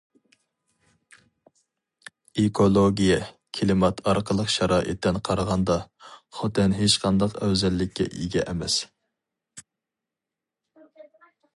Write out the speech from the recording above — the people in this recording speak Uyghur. ئېكولوگىيە، كىلىمات قاتارلىق شارائىتتىن قارىغاندا، خوتەن ھېچقانداق ئەۋزەللىككە ئىگە ئەمەس.